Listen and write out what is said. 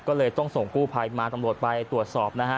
ก็เลยต้องส่งกู้ภัยมาตำรวจไปตรวจสอบนะฮะ